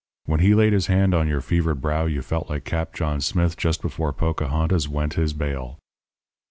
When he laid his hand on your fevered brow you felt like Cap John Smith just before Pocahontas went his bail.